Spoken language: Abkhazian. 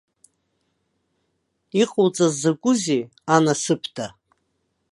Иҟауҵаз закәызеи, анасыԥда!